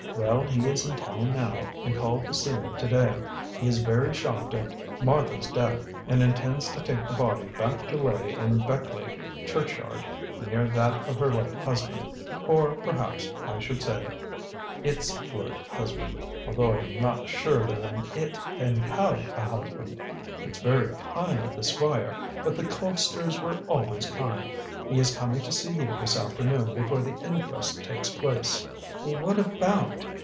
Well, he is in town now, and called to see me to day. He is very shocked at Martha's death, and intends to take the body back to lay in Beckleigh churchyard near that of her late husband or, perhaps, I should say, its late husband, although I am not sure that an 'it' can have a husband. It's very kind of the Squire, but the Colpsters were always kind. He is coming to see you this afternoon before the inquest takes place." "What about?"